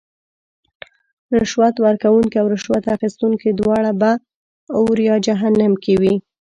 رشوت ورکوونکې او رشوت اخیستونکې دواړه به اور یا جهنم کې وی .